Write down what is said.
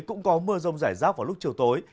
cũng có mưa rông rải rác vào lúc chiều tối